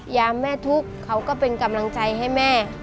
ยามแม่ทุกข์เขาก็เป็นกำลังใจให้แม่